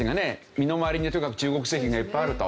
身の回りにはとにかく中国製品がいっぱいあると。